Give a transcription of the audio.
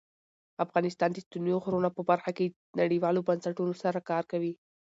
افغانستان د ستوني غرونه په برخه کې نړیوالو بنسټونو سره کار کوي.